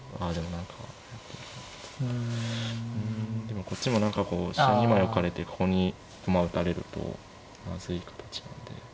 でもこっちも何かこう飛車２枚置かれてここに駒打たれるとまずい形なんで。